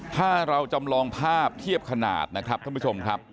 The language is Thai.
ถ้าเราจำลองภาพเทียบขนาดนะครับท่านผู้ชมครับ